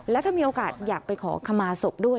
และถ้ามีโอกาสอยากไปขอขมาศพด้วย